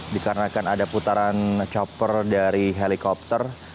dikarenakan ada putaran chopper dari helikopter